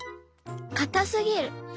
かたすぎる」。